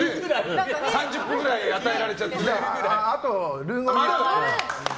３０分ぐらい与えられちゃって。